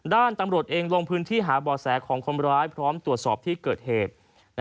ตำรวจเองลงพื้นที่หาบ่อแสของคนร้ายพร้อมตรวจสอบที่เกิดเหตุ